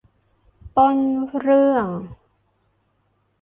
ต้นเรื่อง